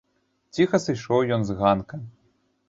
Ціха сышоў ён з ганка.